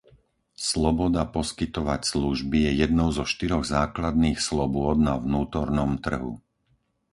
Sloboda poskytovať služby je jednou zo štyroch základných slobôd na vnútornom trhu.